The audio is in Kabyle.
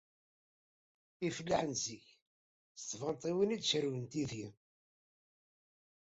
Ifellaḥen zik, s tbantiwin i d-cerrwen tidi